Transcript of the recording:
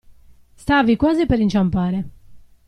Stavi quasi per inciampare!